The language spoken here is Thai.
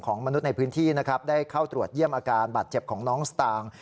มนุษย์ในพื้นที่นะครับได้เข้าตรวจเยี่ยมอาการบาดเจ็บของน้องสตางค์